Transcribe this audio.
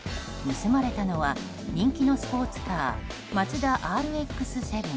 盗まれたのは人気のスポーツカーマツダＲＸ‐７。